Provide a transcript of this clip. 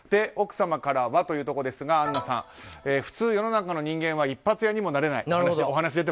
奥様からはというところですが杏奈さん、普通、世の中の人間は一発屋にもなれない。